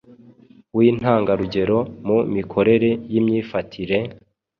w’intangarugero mu mikorere n’imyifatire,